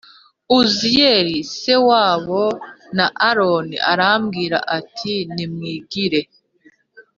Uziyeli se wabo wa aroni arababwira ati nimwigire